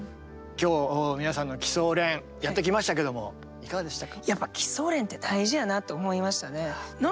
今日皆さんの基礎練やってきましたけどもいかがでしたか？